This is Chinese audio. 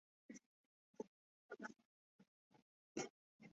后授刑科都给事中。